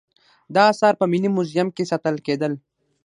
دا اثار په ملي موزیم کې ساتل کیدل